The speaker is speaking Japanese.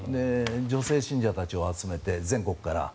女性信者たちを集めて全国から。